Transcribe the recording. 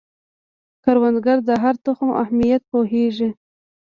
کروندګر د هر تخم اهمیت پوهیږي